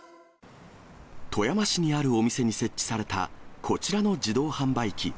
富山市にあるお店に設置された、こちらの自動販売機。